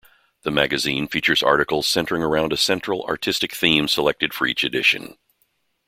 The Magazine features articles centering around a central artistic theme selected for each edition.